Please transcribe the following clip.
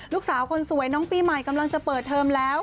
ลูกสาวคนสวยน้องปีใหม่กำลังจะเปิดเทอมแล้ว